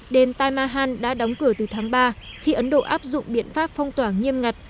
đền tam mahan đã đóng cửa từ tháng ba khi ấn độ áp dụng biện pháp phong tỏa nghiêm ngặt